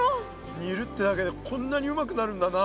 煮るってだけでこんなにうまくなるんだな。